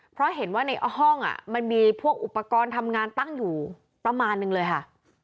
เพราะเห็นว่าในห้องมันมีพวกอุปกรณ์ทำงานตั้งอยู่ประมาณนึงเลยค่ะ